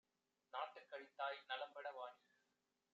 நாட்டுக் கழித்தாய் நலம்பட வாநீ